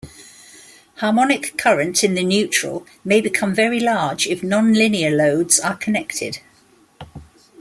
Harmonic current in the neutral may become very large if non-linear loads are connected.